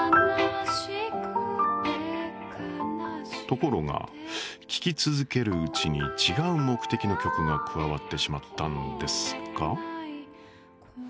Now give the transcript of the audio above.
ところが聴き続けるうちに違う目的の曲が加わってしまったんですか？